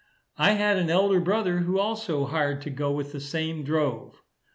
I had an elder brother, who also hired to go with the same drove.